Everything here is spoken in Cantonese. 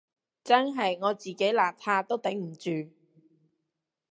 真係我自己邋遢都頂唔住